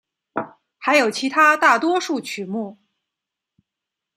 还有其他大多数曲目。